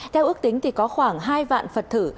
theo ước tính thì có khoảng hai vạn phật thử